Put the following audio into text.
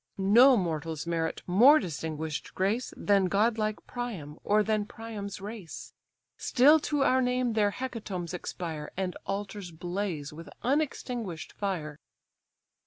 No mortals merit more distinguish'd grace Than godlike Priam, or than Priam's race. Still to our name their hecatombs expire, And altars blaze with unextinguish'd fire."